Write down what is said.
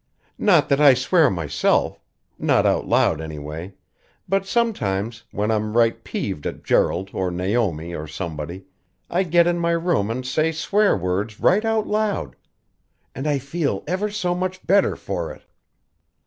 "Not that I swear myself not out loud, anyway, but sometimes, when I'm right peeved at Gerald or Naomi or somebody, I get in my room and say swear words right out loud. And I feel ever so much better for it!"